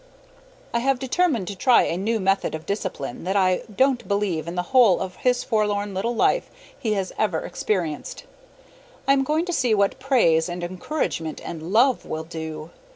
I have determined to try a new method of discipline that I don't believe in the whole of his forlorn little life he has ever experienced. I am going to see what praise and encouragement and love will do.